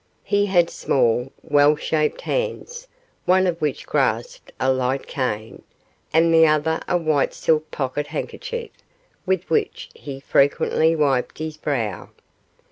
He had small, well shaped hands, one of which grasped a light cane, and the other a white silk pocket handkerchief, with which he frequently wiped his brow.